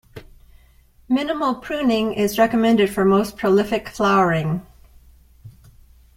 Minimal pruning is recommended for most prolific flowering.